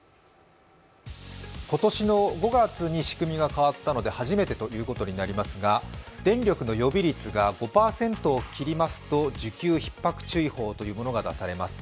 今年の５月に仕組みが変わってから初めてとなりますが電力の予備率が５％を切りますと、需給ひっ迫注意報というものが出されます。